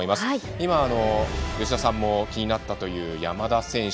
今、吉田さんも気になったという山田選手。